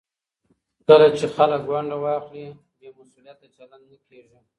کله چې خلک ونډه واخلي، بې مسوولیته چلند نه کېږي.